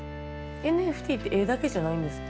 ＮＦＴって絵だけじゃないんですか？